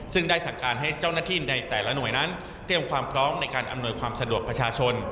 ซึ่งได้สั่งการให้เจ้าหน้าที่ในแต่ละหน่วยนั้นเตรียมความพร้อมในการอำนวยความสะดวกประชาชน